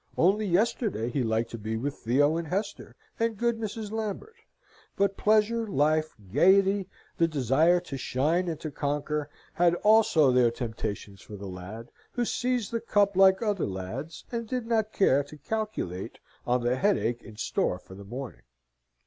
Only yesterday, he liked to be with Theo and Hester, and good Mrs. Lambert; but pleasure, life, gaiety, the desire to shine and to conquer, had also their temptations for the lad, who seized the cup like other lads, and did not care to calculate on the headache in store for the morning.